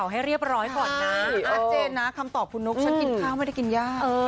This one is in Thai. ไปมาบอกว่า